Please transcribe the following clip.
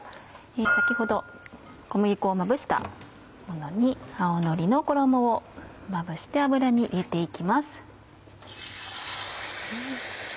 先ほど小麦粉をまぶしたものに青のりの衣をまぶして油に入れて行きます。